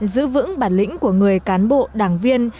giữ vững bản lĩnh của người cán bộ đảng viên